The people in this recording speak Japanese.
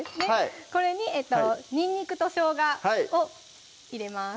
これににんにくとしょうがを入れます